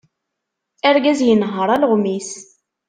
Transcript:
Argaz yenher alɣem-is.